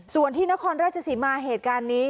ส่วนที่นครราชสีมาเหตุการณ์นี้